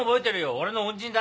俺の恩人だ。